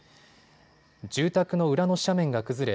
住宅の裏の斜面が崩れ